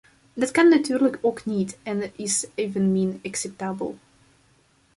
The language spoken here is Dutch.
Dat kan natuurlijk ook niet en is evenmin acceptabel.